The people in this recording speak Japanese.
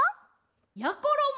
やころも！